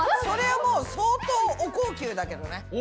それはもう相当お高級だけどね。